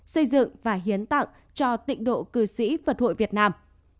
xây dựng và hiến tặng cho tịnh độ cư sĩ vật hội việt nam